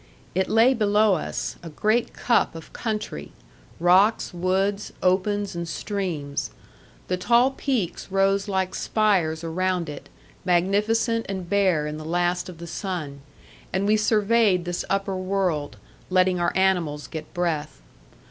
It lay below us, a great cup of country, rocks, woods, opens, and streams. The tall peaks rose like spires around it, magnificent and bare in the last of the sun; and we surveyed this upper world, letting our animals get breath.